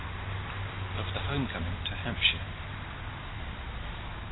OF THE HOME COMING TO HAMPSHIRE.